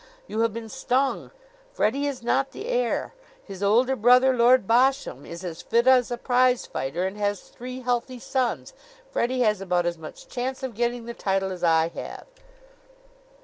You have been stung! Freddie is not the heir. His older brother, Lord Bosham, is as fit as a prize fighter and has three healthy sons. Freddie has about as much chance of getting the title as I have."